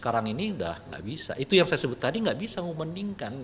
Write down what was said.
nah ini sudah tidak bisa itu yang saya sebut tadi tidak bisa membandingkan